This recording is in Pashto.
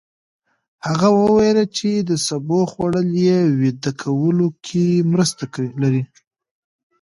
هغه وویل چې د سبو خوړل يې ویده کولو کې مرسته کړې.